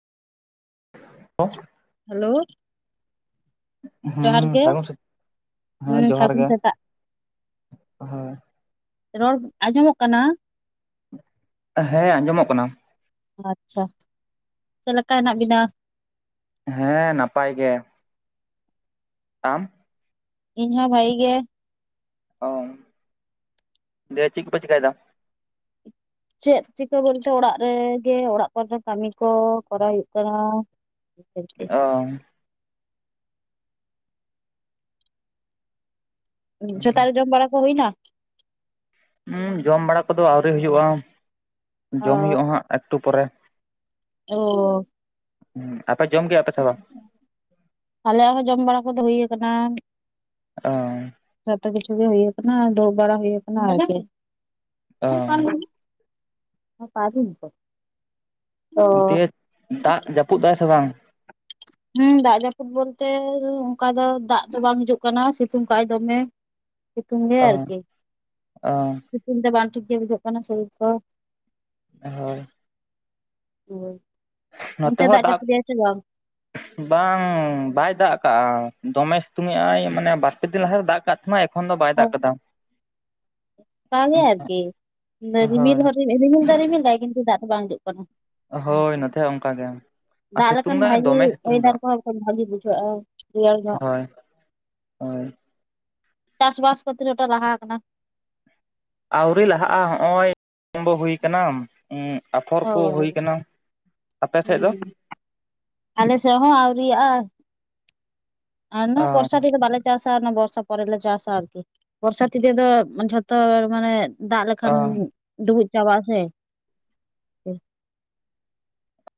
[inaudible] hello ᱡᱚᱦᱟᱨ ᱦᱮᱸ ᱜᱮ ᱥᱟᱹᱜᱩᱱ ᱥᱮᱛ ᱦᱮᱸ ᱦᱩᱸ ᱡᱚᱦᱟᱨ ᱥᱟᱹᱜᱩᱱ ᱜᱮ ᱥᱮᱛᱟᱜ ᱦᱳᱭ ᱨᱚᱲ ᱟᱸᱡᱚᱢᱚᱜ ᱠᱟᱱᱟ ᱦᱮᱸ ᱟᱸᱡᱚᱢᱚᱜ ᱠᱟᱱᱟ ᱟᱪᱪᱷᱟ ᱪᱮᱫ ᱞᱮᱠᱟ ᱦᱮᱱᱟᱜ ᱵᱤᱱᱟ ᱦᱮᱸ ᱱᱟᱯᱟᱭ ᱜᱮ ᱟᱢ ᱤᱧ ᱦᱚᱸ ᱵᱷᱟᱹᱜᱤ ᱜᱮ ᱚ ᱫᱤᱭᱮ ᱪᱮᱫ ᱠᱚ ᱯᱮ ᱪᱤᱠᱟᱹᱭᱮᱫᱟ ᱪᱮᱫ ᱪᱤᱠᱟᱹ ᱵᱚᱞᱛᱮ ᱚᱲᱟᱜ ᱨᱮ ᱜᱮ ᱚᱲᱟᱜ ᱠᱚᱨᱮ ᱠᱟᱹᱢᱤ ᱠᱚ ᱠᱚᱨᱟᱣ ᱦᱩᱭᱩᱜ ᱠᱟᱱᱟ [unintelligible] ᱚ ᱥᱮᱛᱟᱜ ᱨᱮ ᱡᱚᱢ ᱵᱟᱲᱟ ᱠᱚ ᱦᱩᱭᱱᱟ ᱦᱩᱸ ᱡᱚᱢ ᱵᱟᱲᱟ ᱠᱚᱫᱚ ᱟᱹᱣᱨᱤ ᱦᱩᱭᱩᱜᱼᱟ ᱡᱚᱢ ᱦᱩᱭᱩᱜᱼᱟ ᱦᱟᱸᱜ ᱮᱠᱴᱩ ᱯᱚᱨᱮ ᱚᱻ ᱟᱯᱮ ᱡᱚᱢ ᱠᱮᱜ ᱟᱯᱮ ᱥᱮ ᱵᱟᱝ ᱟᱞᱮᱭᱟᱜ ᱦᱚᱸ ᱡᱚᱢ ᱵᱟᱲᱟ ᱠᱚᱫᱚ ᱦᱩᱭ ᱠᱟᱱᱟ ᱚ ᱡᱚᱷᱛᱚ ᱠᱤᱪᱷᱩ ᱜᱮ ᱦᱩᱭ ᱟᱠᱟᱱᱟ ᱫᱩᱲᱩᱵ ᱵᱟᱲᱟ ᱦᱩᱭ ᱠᱟᱱᱟ ᱟᱨᱠᱤ ᱚ ᱯᱟᱵᱤᱱᱟᱛᱚ ᱫᱤᱭᱮ ᱫᱟᱜ ᱡᱟᱹᱯᱩᱫ ᱫᱟᱭ ᱥᱮ ᱵᱟᱝ ᱦᱩᱸ ᱫᱟᱜ ᱡᱟᱹᱯᱩᱫ ᱵᱚᱞᱛᱮ ᱚᱱᱠᱟ ᱫᱚ ᱫᱟᱜ ᱫᱚ ᱵᱟᱝ ᱦᱤᱡᱩᱜ ᱠᱟᱱᱟ ᱥᱤᱛᱩᱝ ᱠᱟᱜ ᱟᱭ ᱫᱚᱢᱮ ᱥᱤᱛᱩᱝ ᱜᱮ ᱚ ᱟᱨᱠᱤ ᱚ ᱥᱤᱛᱩᱝ ᱛᱮ ᱵᱟᱝ ᱴᱷᱤᱠ ᱜᱮ ᱵᱩᱡᱷᱟᱹᱜ ᱠᱟᱱᱟ ᱥᱚᱨᱤᱨ ᱠᱚ ᱦᱳᱭ ᱦᱳᱭ ᱱᱚᱛᱮ ᱚᱱᱛᱮ ᱦᱚᱸ ᱫᱟᱜ ᱡᱟᱹᱯᱩᱫᱮᱜᱟᱭ [unintelligible] ᱵᱟᱝ ᱵᱟᱭ ᱫᱟᱜ ᱟᱠᱟᱜᱼᱟ ᱫᱚᱢᱮ ᱥᱤᱛᱩᱝ ᱮᱜᱼᱟᱭ ᱢᱟᱱᱮ ᱵᱟᱨ ᱯᱮ ᱫᱤᱱ ᱞᱟᱦᱟ ᱨᱮᱭ ᱫᱟᱜ ᱠᱟᱜ ᱛᱟᱢᱟᱭ ᱛᱚᱠᱷᱚᱱ ᱫᱚ ᱵᱟᱭ ᱫᱟᱜ ᱦᱚᱸ ᱠᱟᱫᱟ ᱚᱱᱠᱟ ᱜᱮ ᱟᱨᱠᱤ ᱨᱤᱢᱤᱞ ᱦᱳᱭ ᱦᱚᱸ ᱨᱤᱢᱤᱞ ᱫᱚ ᱨᱤᱢᱤᱞ ᱫᱟᱭ ᱠᱤᱱᱛᱩ ᱫᱟᱜ ᱫᱚ ᱵᱟᱝ ᱦᱤᱡᱩᱜ ᱠᱟᱱᱟ ᱦᱳᱭ ᱱᱚᱛᱮ ᱦᱚᱸ ᱚᱱᱠᱟ ᱜᱮ ᱟᱨ ᱫᱟᱜ ᱥᱤᱛᱩᱝ ᱞᱮᱠᱷᱟᱱ ᱫᱟᱭ ᱵᱷᱟᱹᱜᱤ ᱫᱚᱢᱮ ᱥᱤᱛᱩᱝ ᱫᱟ ᱚᱭᱮᱫᱟᱨ ᱠᱚᱦᱚᱸ ᱵᱷᱟᱜᱮ ᱵᱩᱡᱷᱟᱹᱜᱼᱟ ᱨᱮᱭᱟᱲ ᱧᱚᱜ ᱦᱳᱭ ᱦᱳᱭ ᱪᱟᱥ ᱵᱟᱥ ᱠᱚ ᱛᱤᱱᱟᱹᱜ ᱴᱟ ᱞᱟᱦᱟ ᱠᱟᱱᱟ ᱟᱣᱛᱨᱤ ᱞᱟᱦᱟᱜᱼᱟ ᱦᱚᱸᱜᱼᱚᱭ ᱵᱚ ᱦᱩᱭ ᱟᱠᱟᱱᱟ ᱟᱯᱷᱚᱨ ᱚ ᱠᱚ ᱦᱩᱭ ᱠᱟᱱᱟ ᱟᱯᱮ ᱥᱮᱫ ᱫᱚ ᱦᱩᱸ ᱟᱞᱮ ᱥᱮᱫ ᱦᱚᱸ ᱟᱹᱣᱨᱤᱭᱟᱜ-ᱟ ᱟᱨ ᱚᱱᱟ ᱚ ᱵᱚᱨᱥᱟ ᱛᱮᱫᱚ ᱵᱟᱞᱮ ᱪᱟᱥᱟ ᱟᱨ ᱚᱱᱟ ᱵᱚᱨᱥᱟ ᱯᱚᱨᱮ ᱞᱮ ᱪᱟᱥᱟ ᱟᱨᱠᱤ ᱵᱚᱨᱥᱟᱛᱤ ᱛᱮ ᱫᱚ ᱡᱷᱚᱛᱚ ᱢᱟᱱᱮ ᱫᱟᱜ ᱞᱮᱠᱷᱟᱱ ᱚ ᱰᱩᱵᱩᱡ ᱪᱟᱵᱟᱜᱼᱟ ᱥᱮ